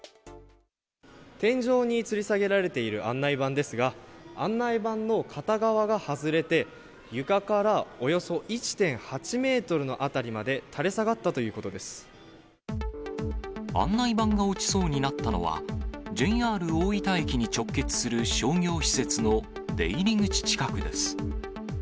天井につり下げられている案内板ですが、案内板の片側が外れて、床からおよそ１．８メートルの辺りまで、垂れ下がったということ案内板が落ちそうになったのは、ＪＲ大分駅に直結する商業施設の出入り口近くです。